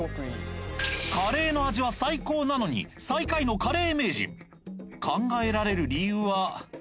カレーの味は最高なのに最下位のカレー名人考えられる理由は？